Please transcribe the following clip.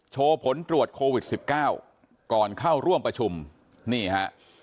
โชว์ผลตรวจโควิดสิบเก้าก่อนเข้าร่วมประชุมนี่ฮะ